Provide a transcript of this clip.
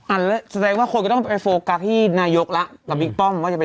อันแต่ก็คนต้องไปโฟกัคที่นายกแล้วมีป้อมว่าจะเป็น